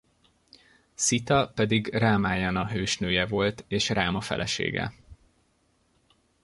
Szita pedig Rámájana hősnője volt és Ráma felesége.